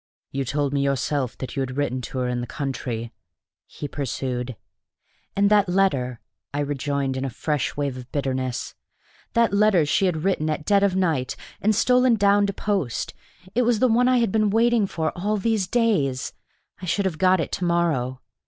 "You told me yourself that you had written to her in the country," he pursued. "And that letter!" I rejoined, in a fresh wave of bitterness: "that letter she had written at dead of night, and stolen down to post, it was the one I have been waiting for all these days! I should have got it to morrow.